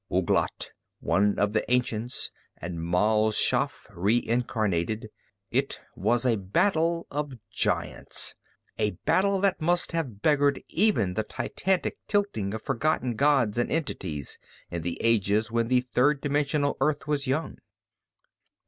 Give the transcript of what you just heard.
Ouglat, one of the ancients, and Mal Shaff, reincarnated. It was a battle of giants, a battle that must have beggared even the titanic tilting of forgotten gods and entities in the ages when the third dimensional Earth was young.